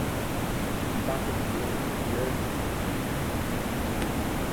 Batte di denti, di euggi.